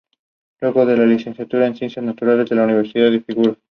Ha participado en diversas series de televisión y en largos y cortometrajes.